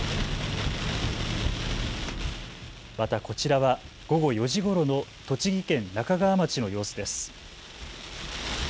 またこちらは午後４時ごろの栃木県那珂川町の様子です。